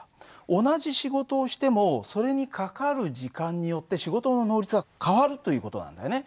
同じ仕事をしてもそれにかかる時間によって仕事の能率は変わるという事なんだよね。